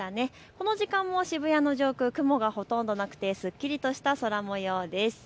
この時間の渋谷の上空、雲がほとんどなくてすっきりとした空もようです。